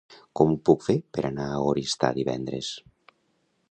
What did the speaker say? Com ho puc fer per anar a Oristà divendres?